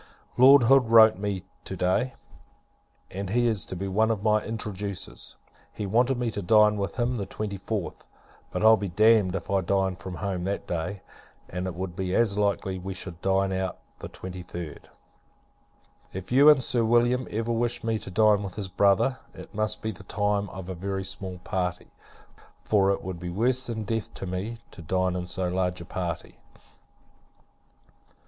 Lord Hood wrote to me, to day, and he is to be one of my introducers. He wanted me to dine with him the 24th; but I'll be damned if I dine from home that day, and it would be as likely we should dine out the 23d. If you and Sir William ever wish me to dine with his brother, it must be the time of a very small party; for it would be worse than death to me, to dine in so large a party.